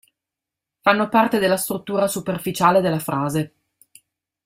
Fanno parte della struttura superficiale della frase.